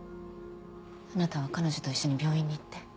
あなたは彼女と一緒に病院に行って。